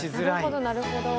なるほどなるほど。